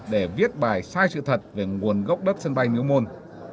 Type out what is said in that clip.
để viết bài sai sự thật về nguồn gốc đất sân bay miếu môn